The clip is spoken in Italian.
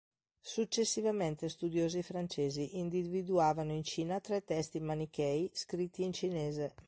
Successivamente studiosi francesi, individuavano in Cina tre testi manichei scritti in cinese.